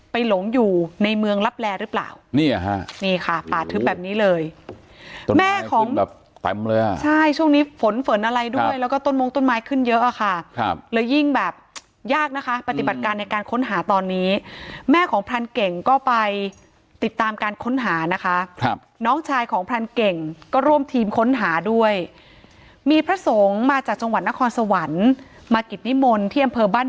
หลงอยู่ในเมืองลับแลหรือเปล่าเนี่ยฮะนี่ค่ะป่าทึบแบบนี้เลยแม่ของแบบเต็มเลยอ่ะใช่ช่วงนี้ฝนฝนอะไรด้วยแล้วก็ต้นมงต้นไม้ขึ้นเยอะอะค่ะครับเลยยิ่งแบบยากนะคะปฏิบัติการในการค้นหาตอนนี้แม่ของพรานเก่งก็ไปติดตามการค้นหานะคะครับน้องชายของพรานเก่งก็ร่วมทีมค้นหาด้วยมีพระสงฆ์มาจากจังหวัดนครสวรรค์มากิจนิมนต์ที่อำเภอบ้าน